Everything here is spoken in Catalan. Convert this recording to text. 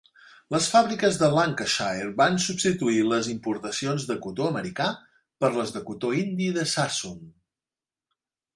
Les fàbriques de Lancashire van substituir les importacions de cotó americà per les de cotó indi de Sassoon.